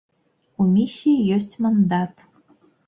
У місіі ёсць мандат.